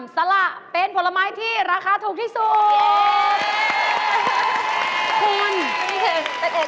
สละเป็นผลไม้ที่ราคาถูกที่สุด